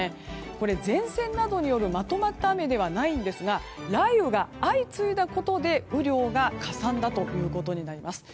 これ、前線などによるまとまった雨ではないんですが雷雨が相次いだことで雨量がかさんだということになります。